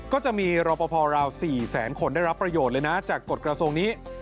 ก็จะมีรอปภราว๔แสนคนได้รับประโยชน์เลยนะจากกฎกระทรวงนี้